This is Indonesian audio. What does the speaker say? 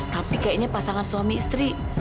tapi kayaknya pasangan suami istri